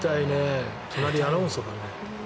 隣はアロンソだね。